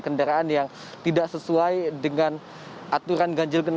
kendaraan yang tidak sesuai dengan aturan ganjil genap